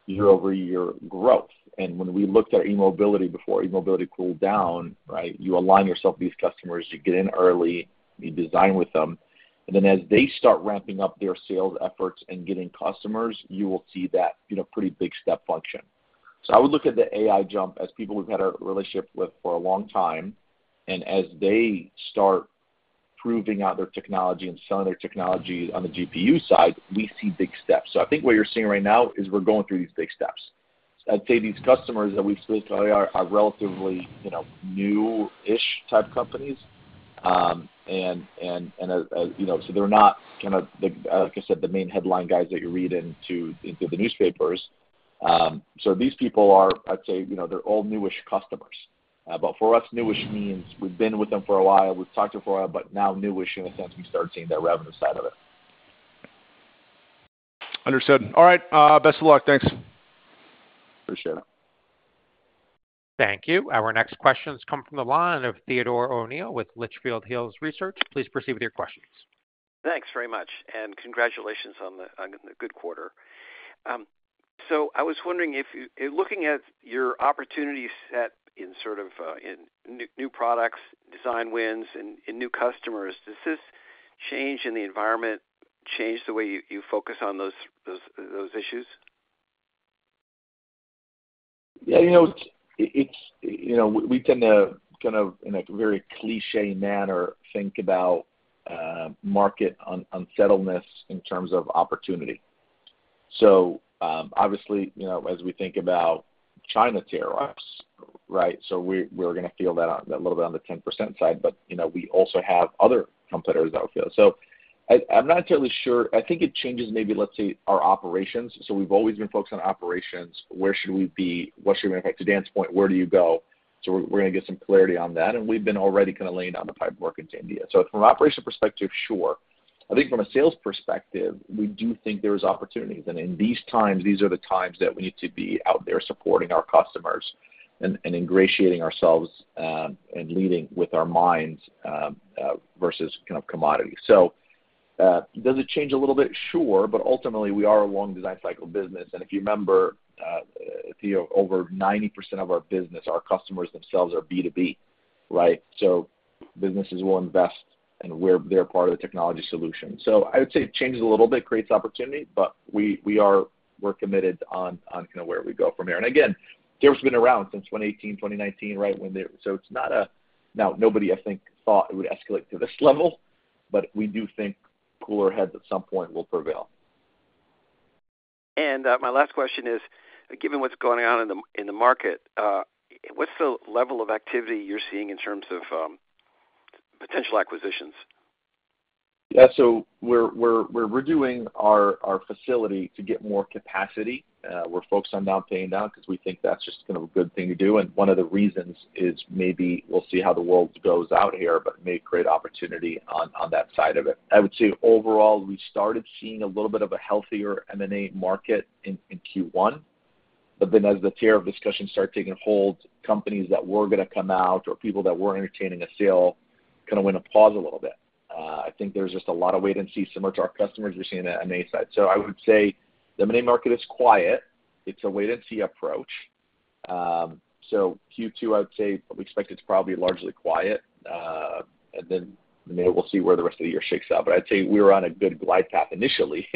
year-over-year growth. When we looked at e-mobility before, e-mobility cooled down, right? You align yourself with these customers. You get in early. You design with them. As they start ramping up their sales efforts and getting customers, you will see that pretty big step function. I would look at the AI jump as people we've had a relationship with for a long time. As they start proving out their technology and selling their technology on the GPU side, we see big steps. I think what you're seeing right now is we're going through these big steps. I'd say these customers that we've spoken to are relatively new-ish type companies. They're not, like I said, the main headline guys that you read into the newspapers. These people are, I'd say, they're all new-ish customers. For us, new-ish means we've been with them for a while. We've talked to them for a while, but now new-ish in a sense, we start seeing that revenue side of it. Understood. All right. Best of luck. Thanks. Appreciate it. Thank you. Our next questions come from the line of Theodore O'Neill with Litchfield Hills Research. Please proceed with your questions. Thanks very much. Congratulations on the good quarter. I was wondering if looking at your opportunity set in sort of new products, design wins, and new customers, does this change in the environment change the way you focus on those issues? Yeah. We tend to kind of, in a very cliché manner, think about market unsettledness in terms of opportunity. Obviously, as we think about China tariffs, right? We are going to feel that a little bit on the 10% side, but we also have other competitors that will feel it. I am not entirely sure. I think it changes maybe, let's say, our operations. We have always been focused on operations. Where should we be? What should we be? To Dan's point, where do you go? We are going to get some clarity on that. We have been already kind of laying down the pipeline to India. From an operational perspective, sure. I think from a sales perspective, we do think there are opportunities. In these times, these are the times that we need to be out there supporting our customers and ingratiating ourselves and leading with our minds versus kind of commodity. Does it change a little bit? Sure. Ultimately, we are a long design cycle business. If you remember, over 90% of our business, our customers themselves are B2B, right? Businesses will invest, and they're part of the technology solution. I would say it changes a little bit, creates opportunity, but we are committed on kind of where we go from here. Again, tariffs have been around since 2018, 2019, right? It is not a—now, nobody, I think, thought it would escalate to this level, but we do think cooler heads at some point will prevail. My last question is, given what's going on in the market, what's the level of activity you're seeing in terms of potential acquisitions? Yeah. We are redoing our facility to get more capacity. We are focused on now paying down because we think that is just kind of a good thing to do. One of the reasons is maybe we will see how the world goes out here, but it may create opportunity on that side of it. I would say overall, we started seeing a little bit of a healthier M&A market in Q1. As the tariff discussion started taking hold, companies that were going to come out or people that were entertaining a sale kind of went on pause a little bit. I think there is just a lot of wait and see similar to our customers we are seeing on the M&A side. I would say the M&A market is quiet. It is a wait and see approach. Q2, I would say, we expect it is probably largely quiet. We will see where the rest of the year shakes out. I'd say we were on a good glide path initially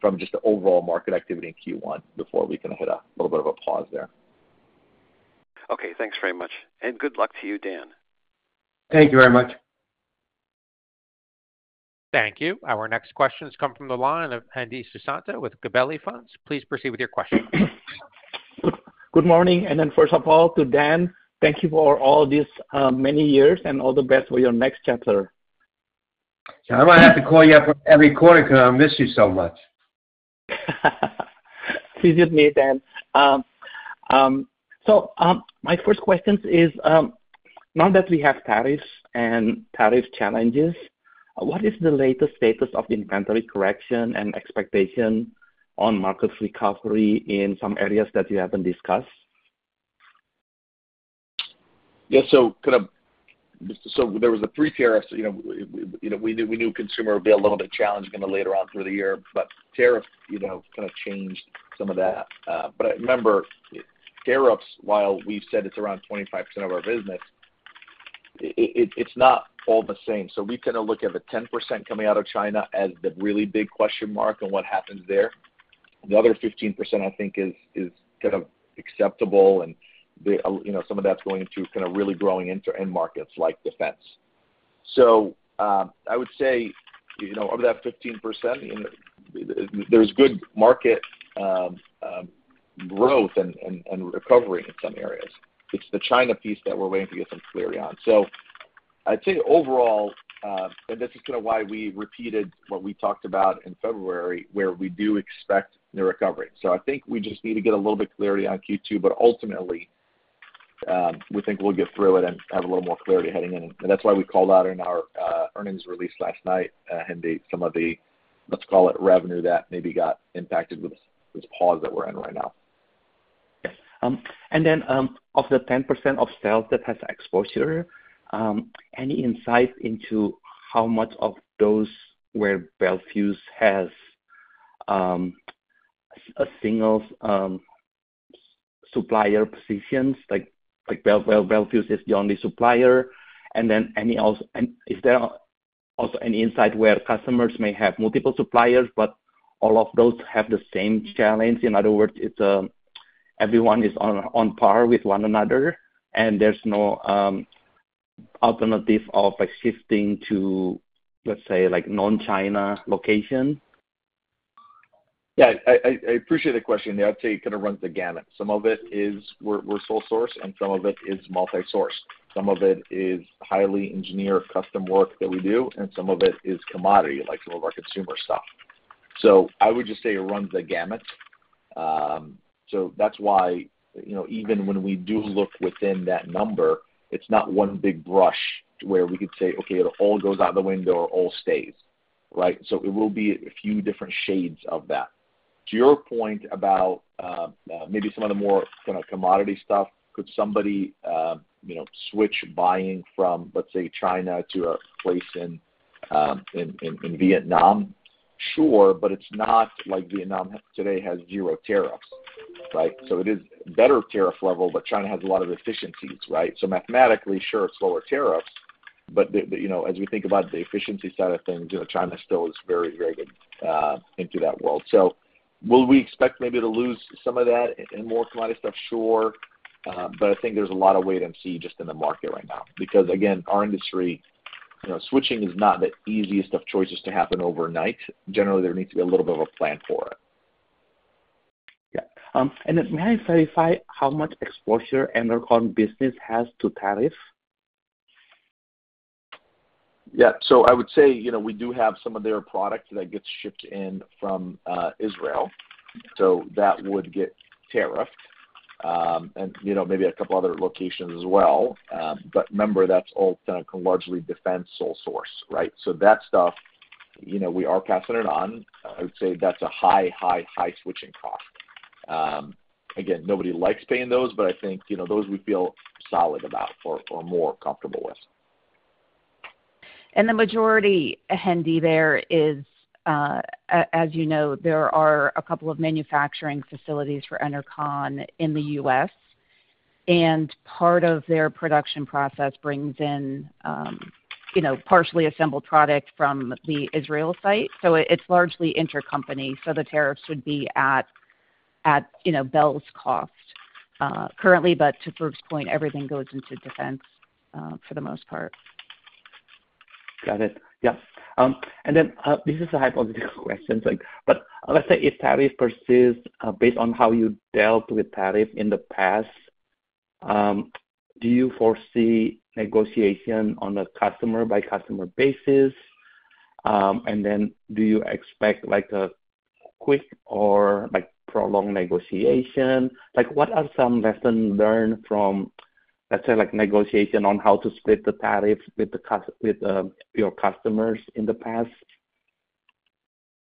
from just the overall market activity in Q1 before we kind of hit a little bit of a pause there. Okay. Thanks very much. And good luck to you, Dan. Thank you very much. Thank you. Our next questions come from the line of Hendi Susanto with Gabelli Funds. Please proceed with your question. Good morning. First of all, to Dan, thank you for all these many years and all the best for your next chapter. I might have to call you up every quarter because I miss you so much. Please use me, Dan. My first question is, now that we have tariffs and tariff challenges, what is the latest status of inventory correction and expectation on market recovery in some areas that you have not discussed? Yeah. Kind of there was the three tariffs. We knew consumer would be a little bit challenged kind of later on through the year. Tariffs kind of changed some of that. I remember tariffs, while we've said it's around 25% of our business, it's not all the same. We kind of look at the 10% coming out of China as the really big question mark and what happens there. The other 15%, I think, is kind of acceptable. Some of that's going into really growing into end markets like defense. I would say of that 15%, there's good market growth and recovery in some areas. It's the China piece that we're waiting to get some clarity on. I'd say overall, and this is kind of why we repeated what we talked about in February, we do expect the recovery. I think we just need to get a little bit of clarity on Q2. Ultimately, we think we'll get through it and have a little more clarity heading in. That is why we called out in our earnings release last night some of the, let's call it, revenue that maybe got impacted with this pause that we're in right now. Of the 10% of sales that has exposure, any insight into how much of those where Bel Fuse has a single supplier position? Bel Fuse is the only supplier. Is there also any insight where customers may have multiple suppliers, but all of those have the same challenge? In other words, everyone is on par with one another, and there's no alternative of shifting to, let's say, non-China location? Yeah. I appreciate the question. I'd say it kind of runs the gamut. Some of it is we're sole source, and some of it is multi-source. Some of it is highly engineered custom work that we do, and some of it is commodity, like some of our consumer stuff. I would just say it runs the gamut. That is why even when we do look within that number, it's not one big brush where we could say, "Okay, it all goes out the window or all stays," right? It will be a few different shades of that. To your point about maybe some of the more kind of commodity stuff, could somebody switch buying from, let's say, China to a place in Vietnam? Sure, but it's not like Vietnam today has zero tariffs, right? It is better tariff level, but China has a lot of efficiencies, right? Mathematically, sure, slower tariffs. As we think about the efficiency side of things, China still is very, very good into that world. Will we expect maybe to lose some of that and more commodity stuff? Sure. I think there is a lot of wait and see just in the market right now. Again, our industry, switching is not the easiest of choices to happen overnight. Generally, there needs to be a little bit of a plan for it. Yeah. May I clarify how much exposure Enercon business has to tariff? Yeah. I would say we do have some of their products that get shipped in from Israel. That would get tariffed and maybe a couple of other locations as well. Remember, that's all kind of largely defense sole source, right? That stuff, we are passing it on. I would say that's a high, high, high switching cost. Again, nobody likes paying those, but I think those we feel solid about or more comfortable with. The majority, Hendi, there is, as you know, there are a couple of manufacturing facilities for Enercon in the U.S. Part of their production process brings in partially assembled product from the Israel site. It is largely intercompany. The tariffs would be at Bel's cost currently. To Farouq's point, everything goes into defense for the most part. Got it. Yeah. This is a hypothetical question. Let's say if tariff persists, based on how you dealt with tariff in the past, do you foresee negotiation on a customer-by-customer basis? Do you expect a quick or prolonged negotiation? What are some lessons learned from, let's say, negotiation on how to split the tariff with your customers in the past?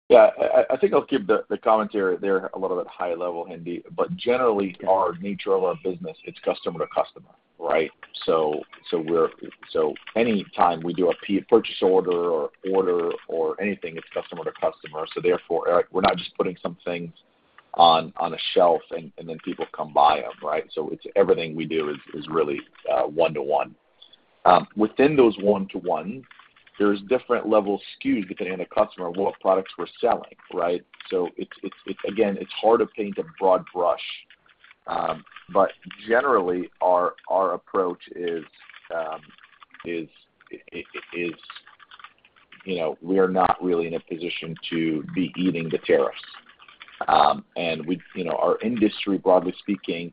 Yeah. I think I'll keep the commentary there a little bit high level, Hendi. Generally, our nature of our business, it's customer to customer, right? Anytime we do a purchase order or order or anything, it's customer to customer. Therefore, we're not just putting some things on a shelf and then people come buy them, right? Everything we do is really one-to-one. Within those one-to-ones, there's different level SKUs depending on the customer, what products we're selling, right? Again, it's hard to paint a broad brush. Generally, our approach is we are not really in a position to be eating the tariffs. Our industry, broadly speaking,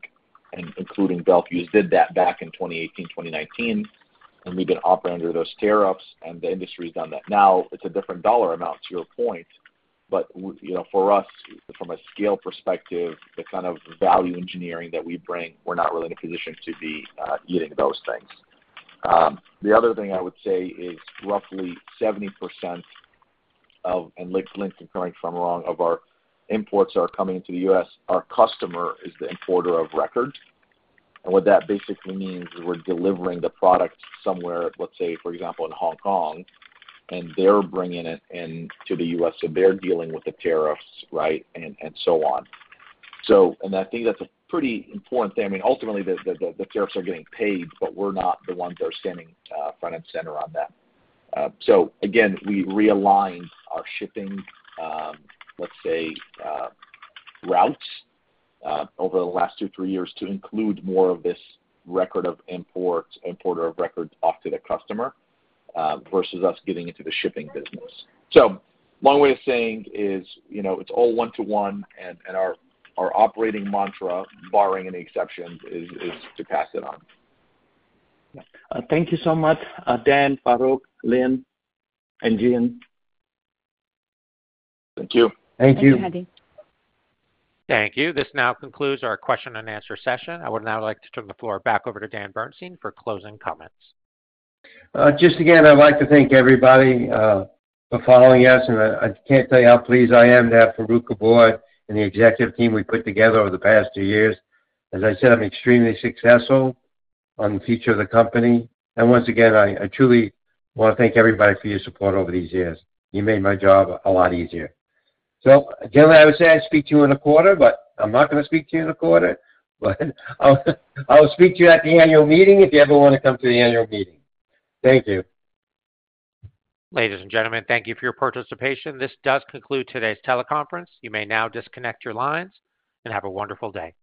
and including Bel Fuse, did that back in 2018, 2019. We've been operating under those tariffs, and the industry has done that. Now, it's a different dollar amount to your point. For us, from a scale perspective, the kind of value engineering that we bring, we're not really in a position to be eating those things. The other thing I would say is roughly 70% of, and Lynn can correct me if I'm wrong, of our imports that are coming into the U.S., our customer is the importer of record. What that basically means is we're delivering the product somewhere, let's say, for example, in Hong Kong, and they're bringing it into the U.S. They're dealing with the tariffs, right, and so on. I think that's a pretty important thing. I mean, ultimately, the tariffs are getting paid, but we're not the ones that are standing front and center on that. Again, we realigned our shipping, let's say, routes over the last two, three years to include more of this record of import, importer of records off to the customer versus us getting into the shipping business. Long way of saying is it's all one-to-one, and our operating mantra, barring any exceptions, is to pass it on. Thank you so much, Dan, Farouq, Lynn, and Jean. Thank you. Thank you. Thank you. Thank you. This now concludes our question and answer session. I would now like to turn the floor back over to Dan Bernstein for closing comments. Just again, I'd like to thank everybody for following us. I can't tell you how pleased I am to have Farouq Tuweiq and the executive team we put together over the past two years. As I said, I'm extremely successful on the future of the company. Once again, I truly want to thank everybody for your support over these years. You made my job a lot easier. Generally, I would say I'd speak to you in a quarter, but I'm not going to speak to you in a quarter. I'll speak to you at the annual meeting if you ever want to come to the annual meeting. Thank you. Ladies and gentlemen, thank you for your participation. This does conclude today's teleconference. You may now disconnect your lines and have a wonderful day.